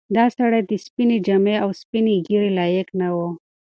دا سړی د سپینې جامې او سپینې ږیرې لایق نه و.